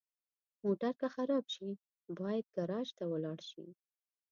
موټر که خراب شي، باید ګراج ته ولاړ شي.